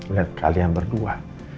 lihat kalian berdua